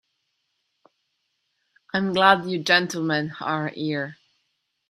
I'm glad you gentlemen are here.